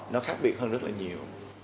nó khác biệt hơn rất là nhiều